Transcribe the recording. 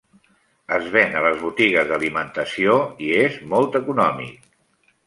Es ven a les botigues d'alimentació i és molt econòmic.